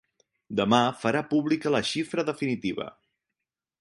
Demà farà pública la xifra definitiva.